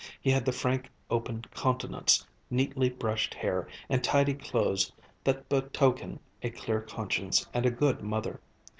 He had the frank open countenance, neatly brushed hair and tidy clothes that betoken a clear conscience and a good mother.